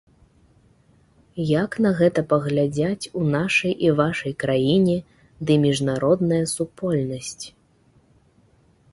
Як на гэта паглядзяць у нашай і вашай краіне ды міжнародная супольнасць?